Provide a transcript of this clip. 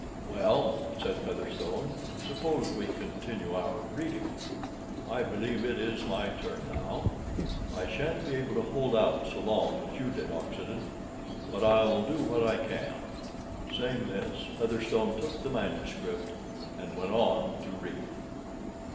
"Well," said Featherstone, "suppose we continue our reading? I believe it is my turn now. I sha'n't be able to hold out so long as you did, Oxenden, but I'll do what I can." Saying this, Featherstone took the manuscript and went on to read.